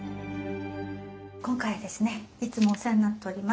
今回ですねいつもお世話になっております